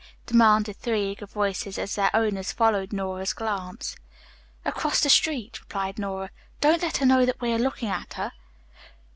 demanded three eager voices, as their owners followed Nora's glance. "Across the street," replied Nora. "Don't let her know that we are looking at her."